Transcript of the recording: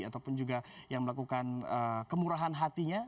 ataupun juga yang melakukan kemurahan hatinya